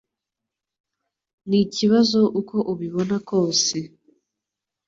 Ni ikibazo uko ubibona kose